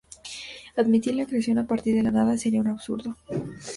Admitir la creación a partir de la nada sería un absurdo.